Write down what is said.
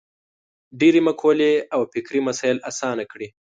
ډېرې مقولې او فکري مسایل اسانه کړي.